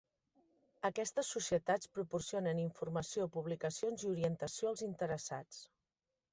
Aquestes societats proporcionen informació, publicacions i orientació als interessats.